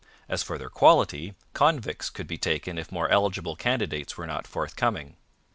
As for their quality, convicts could be taken if more eligible candidates were not forthcoming.